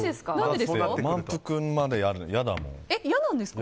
満腹までなるの嫌だもん。